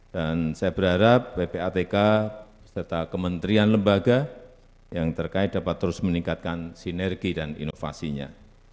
dan saya berharap bpatk serta kementerian lembaga yang terkait dapat terus meningkatkan sinergi dan inovasinya